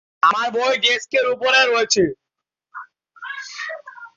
আপনার বই ডেস্কের উপর রয়েছে।